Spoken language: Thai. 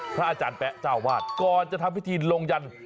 พระอาจารย์แป๊ะเจ้าวาดก่อนจะทำพิธีลงยัน